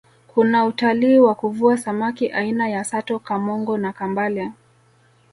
kuna utalii wa kuvua samaki aina ya sato kamongo na kambale